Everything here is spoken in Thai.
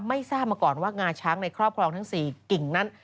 ไม่ทราบมาก่อนว่างาช้างในครอบครองทั้ง๔กิ่งนั้น